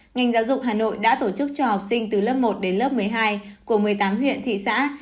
ngành giáo dục hà nội đã tổ chức cho học sinh từ lớp một đến lớp một mươi hai của một mươi tám huyện thị xã